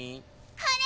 これ！